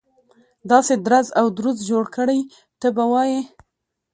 داسې درز او دروز جوړ کړي ته به وایي.